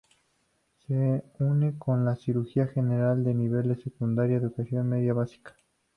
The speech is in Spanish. Se une con la currícula general de Nivel Secundaria Educación Media Básica.